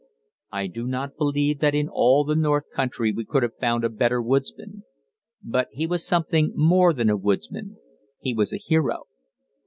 I do not believe that in all the north country we could have found a better woodsman. But he was something more than a woodsman he was a hero.